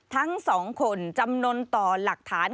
ทั้ง๒คนจำนวนต่อหลักฐาน